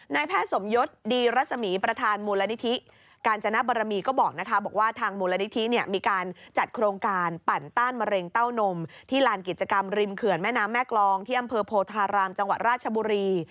แพทย์สมยศดีรัศมีประธานมูลนิธิกาญจนบรมีก็บอกนะคะบอกว่าทางมูลนิธิเนี่ยมีการจัดโครงการปั่นต้านมะเร็งเต้านมที่ลานกิจกรรมริมเขื่อนแม่น้ำแม่กรองที่อำเภอโพธารามจังหวัดราชบุรี